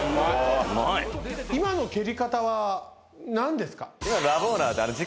今の蹴り方は何ですか？